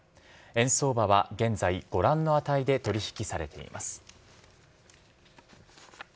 円相場は現在ご覧の値で取引されています。